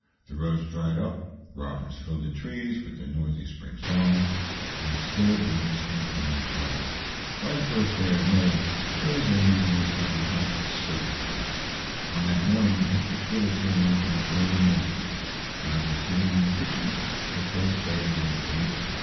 The roads dried up, robins filled the trees with their noisy spring songs, and still business continued dull. By the first day of May, Tillie's uneasiness had become certainty. On that morning Mr. Schwitter, coming in from the early milking, found her sitting in the kitchen, her face buried in her apron.